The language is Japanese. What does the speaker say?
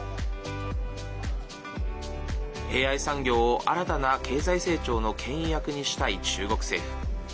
ＡＩ産業を、新たな経済成長のけん引役にしたい中国政府。